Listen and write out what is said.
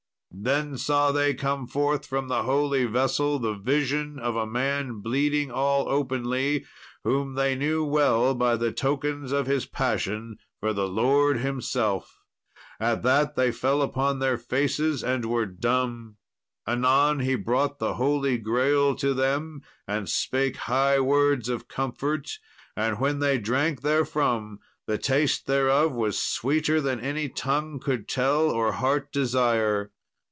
Then saw they come forth from the holy vessel the vision of a man bleeding all openly, whom they knew well by the tokens of His passion for the Lord Himself. At that they fell upon their faces and were dumb. Anon he brought the Holy Grale to them and spake high words of comfort, and, when they drank therefrom, the taste thereof was sweeter than any tongue could tell or heart desire.